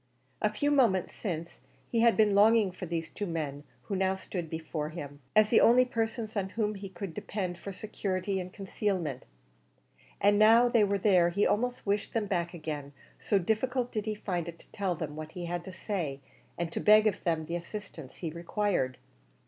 A few moments since he had been longing for these two men who now stood before him, as the only persons on whom he could depend for security and concealment, and now that they were there he almost wished them back again, so difficult did he find it to tell them what he had to say, and to beg of them the assistance he required.